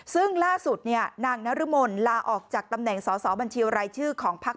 ซึ่งล่าสุดนางนรมนลาออกจากตำแหน่งสอสอบัญชีรายชื่อของพัก